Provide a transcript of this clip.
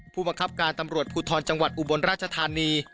ผู้บังคับการตำรวจภูทรจังหวัดอุบลราชธานี